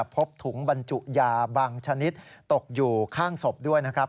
พบถุงบรรจุยาบางชนิดตกอยู่ข้างศพด้วยนะครับ